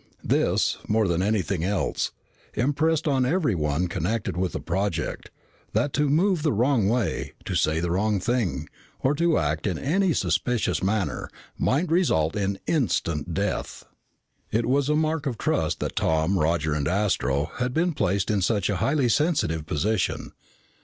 This, more than anything else, impressed on everyone connected with the project, that to move the wrong way, to say the wrong thing, or to act in any suspicious manner might result in instant death. It was a mark of trust that Tom, Roger, and Astro had been placed in such a highly sensitive position.